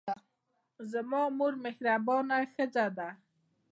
زما مور مهربانه ښځه ده.